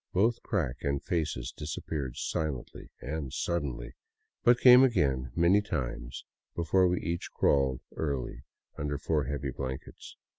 Both crack and faces dis appeared silently and suddenly, but came again many times before we each crawled early under four heavy blankets.